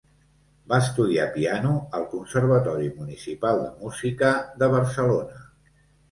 Va estudiar piano al Conservatori Municipal de Música de Barcelona.